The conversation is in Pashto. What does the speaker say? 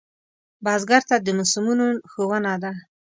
بزګر ته د موسمونو ښوونه ده